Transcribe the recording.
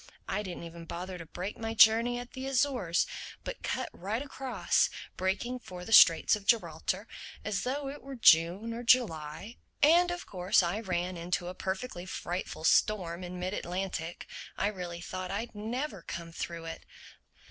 I didn't even bother to break my journey at the Azores, but cut right across, making for the Straits of Gibraltar—as though it were June or July. And of course I ran into a perfectly frightful storm in mid Atlantic. I really thought I'd never come through it.